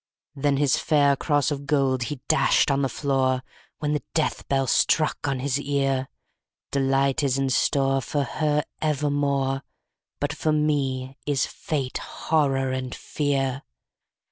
_20 4. Then his fair cross of gold he dashed on the floor, When the death knell struck on his ear. 'Delight is in store For her evermore; But for me is fate, horror, and fear.'